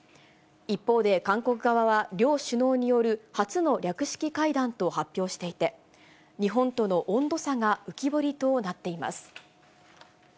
一方で韓国側は、両首脳による初の略式会談と発表していて、日本との温度差が浮き彫りとなっています。